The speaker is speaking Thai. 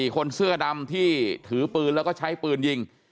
คนเสื้อดำที่ถือปืนแล้วก็ใช้ปืนยิง